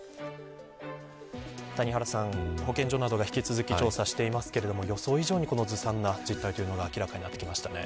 谷原さん、保健所などが引き続き調査していますけれども予想以上にずさんな実態が明らかになってきましたね。